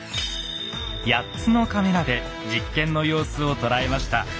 ８つのカメラで実験の様子を捉えました。